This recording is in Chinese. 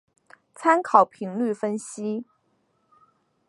参考频率分析。